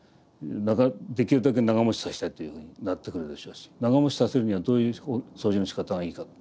できるだけ長もちさせたいというふうになってくるでしょうし長もちさせるにはどういう掃除のしかたがいいか。